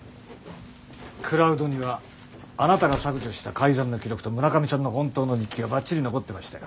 クラウドにはあなたが削除した改ざんの記録と村上さんの本当の日記がバッチリ残ってましたよ。